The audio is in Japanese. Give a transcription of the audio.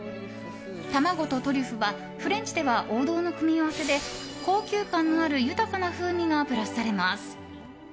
卵とトリュフはフレンチでは王道の組み合わせで高級感のある豊かな風味がプラスされます。